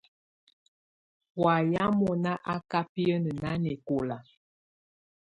Wayɛ̀á mɔ̀ná á kà biǝ́nǝ́ nanɛkɔ̀la.